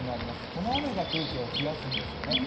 この雨が空気を冷やすんですよね。